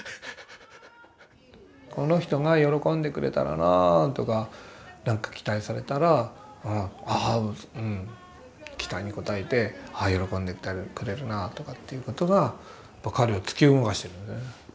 「この人が喜んでくれたらなぁ」とかなんか期待されたら期待に応えてああ喜んでくれるなぁとかということが彼を突き動かしてる。